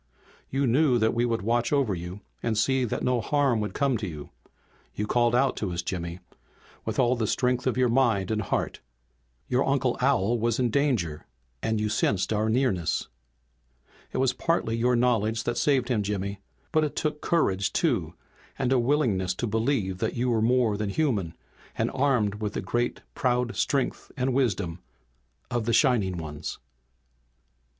"You knew that we would watch over you and see that no harm would come to you. You called out to us, Jimmy, with all the strength of your mind and heart. Your Uncle Al was in danger and you sensed our nearness. "It was partly your knowledge that saved him, Jimmy. But it took courage too, and a willingness to believe that you were more than human, and armed with the great proud strength and wisdom of the Shining Ones."